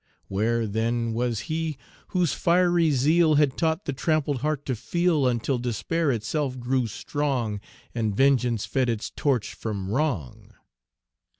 Where then was he whose fiery zeal Had taught the trampled heart to feel, Until Despair itself grew strong, And Vengeance fed its torch from wrong?